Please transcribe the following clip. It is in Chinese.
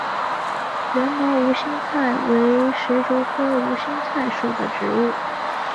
缘毛无心菜为石竹科无心菜属的植物。